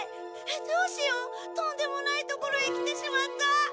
どうしようとんでもない所へ来てしまった。